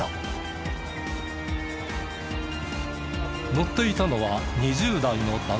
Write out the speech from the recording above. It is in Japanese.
乗っていたのは２０代の男性。